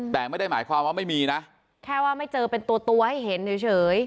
แต่ไม่ได้หมายความว่าไม่มีนะแค่ว่าไม่เจอเป็นตัวตัวให้เห็นเฉย